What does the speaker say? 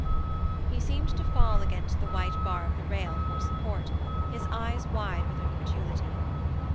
He seemed to fall against the white bar of the rail for support, his eyes wide with incredulity.